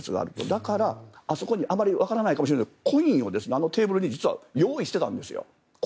だから、あそこにあまりわからないかもしれないですがコインをテーブルに実は用意していたんですよ。